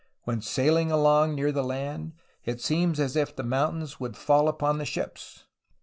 When sailing along near the land, it seems as if the mountains would fall upon the ships.